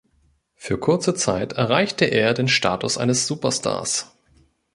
Für kurze Zeit erreichte er den Status eines Superstars.